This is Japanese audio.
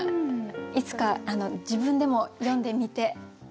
いつか自分でも詠んでみて下さい。